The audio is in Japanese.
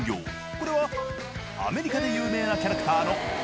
これはアメリカで有名なキャラクターのガンビー。